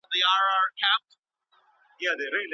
که ذهنونه ویښ وي نو ټولنه به پرمختګ ته دوام ورکوي.